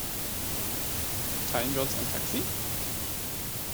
Teilen wir uns ein Taxi?